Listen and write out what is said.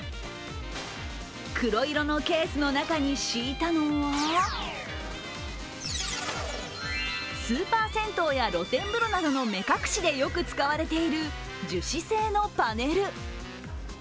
黒色のケースの中に敷いたのはスーパー銭湯や露天風呂などの目隠しでよく使われている樹脂製のパネル。